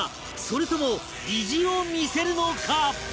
それとも意地を見せるのか？